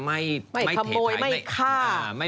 ไม่ถ่วยไม่ฆ่า